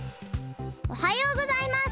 おはようございます。